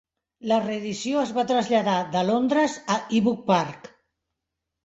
La reedició es va traslladar de Londres a Ewood Park.